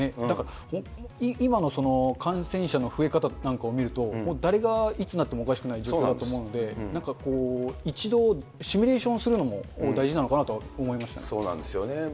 だから今の感染者の増え方なんかを見ると、もう誰がいつなってもおかしくない状況だと思うんで、なんか一度シミュレーションするのも大事なのかなとは思いましたそうなんですよね。